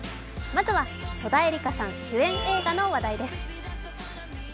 まずは戸田恵梨香さん主演映画の話題です。